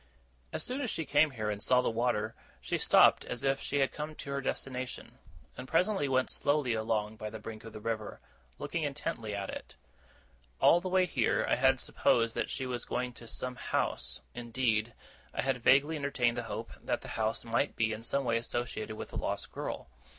As soon as she came here, and saw the water, she stopped as if she had come to her destination; and presently went slowly along by the brink of the river, looking intently at it. All the way here, I had supposed that she was going to some house; indeed, I had vaguely entertained the hope that the house might be in some way associated with the lost girl.